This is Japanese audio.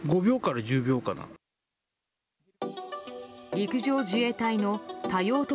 陸上自衛隊の多用途